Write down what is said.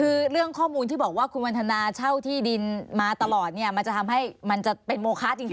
คือเรื่องข้อมูลที่บอกว่าคุณวันทนาเช่าที่ดินมาตลอดเนี่ยมันจะทำให้มันจะเป็นโมคะจริง